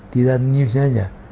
tidak newsnya aja